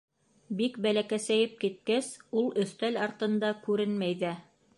Бик бәләкәсәйеп киткәс, ул өҫтәл артында күренмәй ҙә.